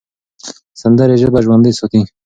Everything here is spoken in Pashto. سندرې ژبه ژوندۍ ساتي.